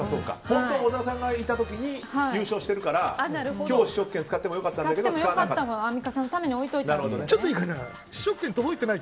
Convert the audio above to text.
小沢さんがいた時に優勝してるから今日試食券使っても良かったけどアンミカさんのためにちょっといいかな。